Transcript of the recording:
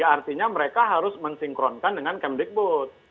artinya mereka harus mensinkronkan dengan kemdikbud